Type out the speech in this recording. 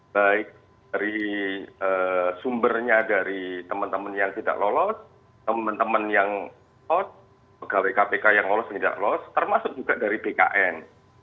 baik dari sumbernya dari teman teman yang tidak lolos teman teman yang lot pegawai kpk yang lolos dan tidak lolos termasuk juga dari bkn